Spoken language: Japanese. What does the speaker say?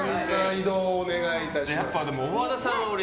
移動をお願いします。